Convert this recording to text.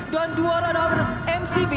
dan dua radar mcv